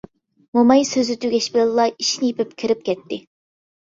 موماي سۆزى تۈگەش بىلەنلا ئىشىكنى يېپىپ كىرىپ كەتتى.